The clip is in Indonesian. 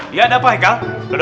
dia ada apa heikal